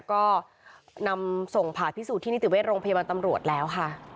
ก็นำส่งผ่าพิสูจน์ชินิติวเวศน์โรงเพศมาตำรวจแล้วค่ะ